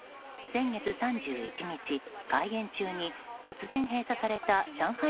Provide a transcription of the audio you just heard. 先月３１日開園中に突然閉鎖された上海